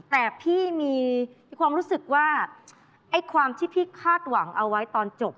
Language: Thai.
แต่พี่มีความรู้สึกว่าไอ้ความที่พี่คาดหวังเอาไว้ตอนจบ